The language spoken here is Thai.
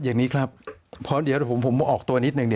อย่างนี้ครับเพราะเดี๋ยวผมมาออกตัวนิดนึง